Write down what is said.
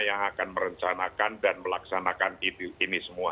yang akan merencanakan dan melaksanakan ini semua